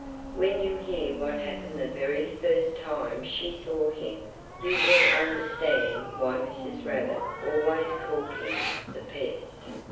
When you hear what happened the very first time she saw him you will understand why Mrs. Rabbit always called him "the Pest."